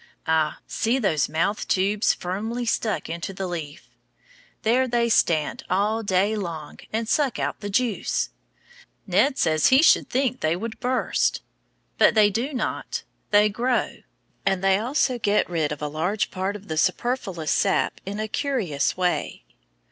Ah, see those mouth tubes firmly stuck into the leaf. There they stand all day long and suck out the juice. Ned says he should think they would burst. But they do not; they grow. And they also get rid of a large part of the superfluous sap in a curious way.